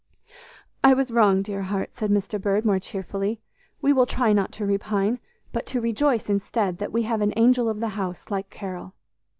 "I was wrong, dear heart," said Mr. Bird more cheerfully; "we will try not to repine, but to rejoice instead, that we have an 'angel of the house' like Carol."